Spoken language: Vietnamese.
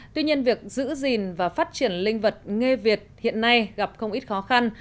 tuy nhiên việc giữ gìn và phát triển linh vật nghề việt hiện nay gặp không ít khó khăn